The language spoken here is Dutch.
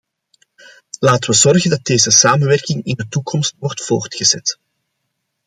Laten we zorgen dat deze samenwerking in de toekomst wordt voortgezet.